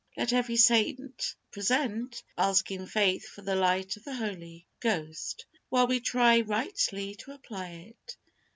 Let every saint present, ask in faith for the light of the Holy Ghost, while we try rightly to apply it.